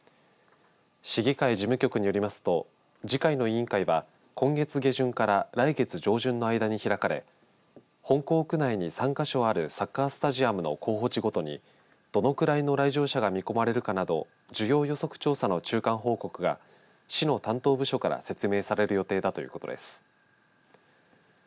市議会事務局によりますと次回の委員会は今月下旬から来月上旬の間に開かれ本港区内に３か所あるサッカースタジアムの候補地ごとにどのぐらいの来場者が見込まれるかなど需要予測調査の中間報告が市の担当部署から説明される予定だということです。